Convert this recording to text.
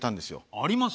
あります？